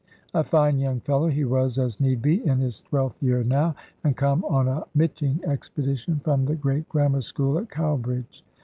A fine young fellow he was as need be, in his twelfth year now, and come on a mitching expedition from the great grammar school at Cowbridge.